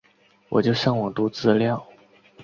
我就上网读资料